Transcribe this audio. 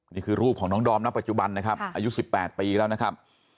นี่คือรูปของน้องดอมณปัจจุบันนะครับอายุ๑๘ปีแล้วนะครับ